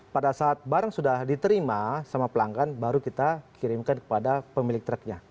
pada saat barang sudah diterima sama pelanggan baru kita kirimkan kepada pemilik truknya